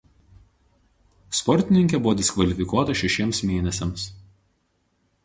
Sportininkė buvo diskvalifikuota šešiems mėnesiams.